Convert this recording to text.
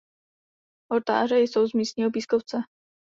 Oltáře jsou z místního pískovce.